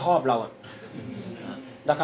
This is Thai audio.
คุณพูดไว้แล้วตั้งแต่ต้นใช่ไหมคะ